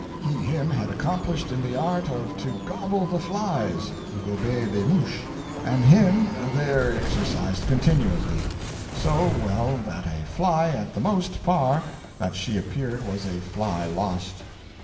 He him had accomplished in the art of to gobble the flies (gober des mouches), and him there exercised continually so well that a fly at the most far that she appeared was a fly lost.